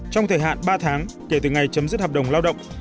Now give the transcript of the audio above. trong thời hạn ba tháng kể từ ngày chấm dứt hợp đồng lao động